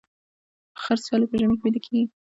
خرس ولې په ژمي کې ویده کیږي؟